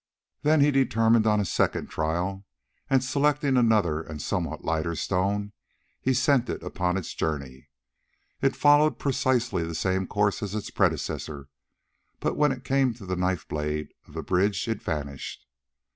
Then he determined on a second trial, and selecting another and somewhat lighter stone, he sent it upon its journey. It followed precisely the same course as its predecessor, but when it came to the knife blade of the bridge it vanished.